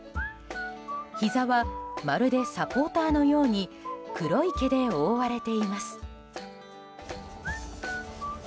ひざはまるでサポーターのように黒い毛で覆われています。